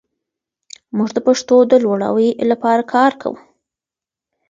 موږ د پښتو د لوړاوي لپاره کار کوو.